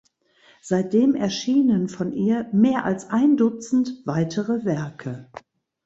Seitdem erschienen von ihr mehr als ein Dutzend weitere Werke.